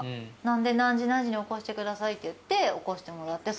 なんで「何時に起こしてください」って言って起こしてもらって。